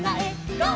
ゴー！」